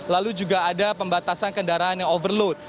lalu juga ada pembatasan kendaraan yang overload